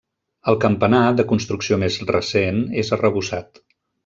El campanar, de construcció més recent és arrebossat.